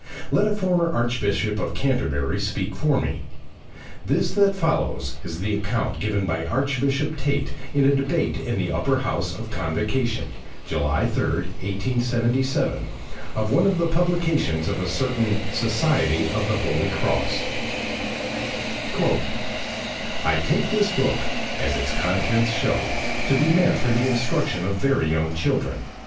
Let a former Archbishop of Canterbury speak for me. This that follows is the account given by Archbishop Tait in a debate in the Upper House of Convocation (July 3rd, 1877) of one of the publications of a certain SOCIETY OF THE HOLY CROSS: "I take this book, as its contents show, to be meant for the instruction of very young children.